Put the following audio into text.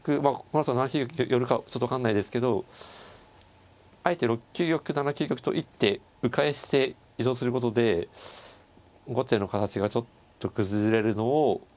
このあと７九寄るかちょっと分かんないですけどあえて６九玉か７九玉と一手う回して移動することで後手の形がちょっと崩れるのを待っている。